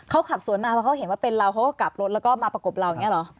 เขาขับสวนมาเพราะเขาเห็นว่าเป็นเราเขาก็กลับรถแล้วก็มาประกบเราอย่างนี้เหรอ